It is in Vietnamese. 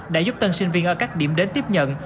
đã giúp tân sinh viên ở các điểm đến tiếp nhận